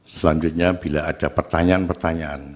selanjutnya bila ada pertanyaan pertanyaan